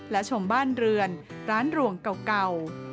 และชมบ้านเรือนร้านรวงเก่า